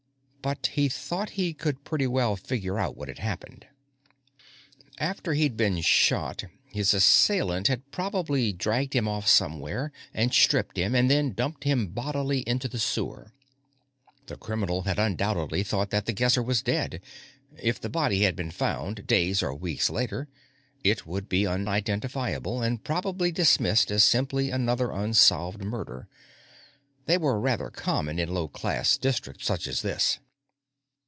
But he thought he could pretty well figure out what had happened. After he'd been shot down, his assailant had probably dragged him off somewhere and stripped him, and then dumped him bodily into the sewer. The criminal had undoubtedly thought that The Guesser was dead; if the body had been found, days or weeks later, it would be unidentifiable, and probably dismissed as simply another unsolved murder. They were rather common in low class districts such as this.